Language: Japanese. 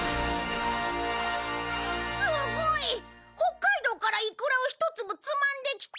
すごい！北海道からイクラを１粒つまんできた。